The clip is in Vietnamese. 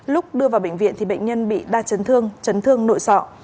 lúc đưa vào bệnh viện thì bệnh nhân bị đa chấn thương chấn thương nội sọ